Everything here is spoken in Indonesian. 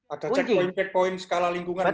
ada cek poin cek poin skala lingkungan